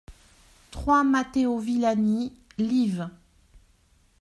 trois Matteo Villani, liv.